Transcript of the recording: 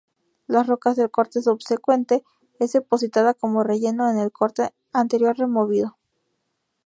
Las rocas del corte subsecuente es depositada como relleno en el corte anterior removido.